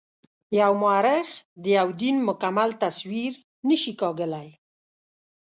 یو مورخ د یوه دین مکمل تصویر نه شي کاږلای.